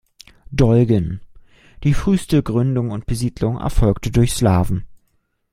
Dolgen: Die früheste Gründung und Besiedlung erfolgte durch Slawen.